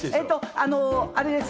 あれです！